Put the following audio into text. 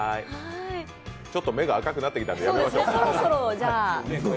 目が赤くなってきたんでやめましょう。